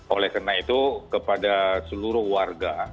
oleh karena itu kepada seluruh warga